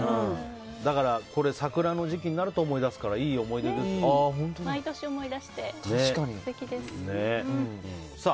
だから、桜の時期になると思い出すから毎年思い出して素敵です。